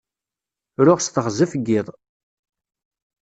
Ruɣ s teɣzef n yiḍ.